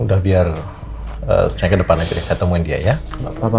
udah biar saya ke depan aja deh saya temuin dia ya